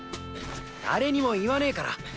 誰にも言わねから。